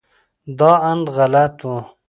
دا اند غلط و.